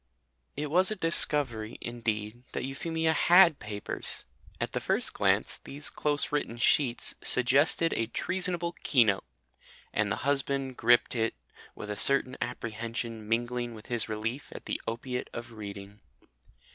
It was a discovery, indeed, that Euphemia had papers. At the first glance these close written sheets suggested a treasonable Keynote, and the husband gripped it with a certain apprehension mingling with his relief at the opiate of reading.